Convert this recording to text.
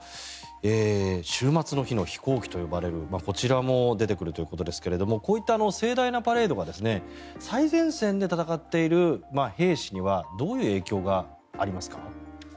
終末の日の飛行機と呼ばれるこちらも出てくるということですがこういった盛大なパレードが最前線で戦っている兵士にはどういう影響がありますか？